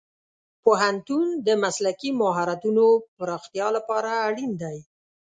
پوهنتون د مسلکي مهارتونو پراختیا لپاره اړین دی.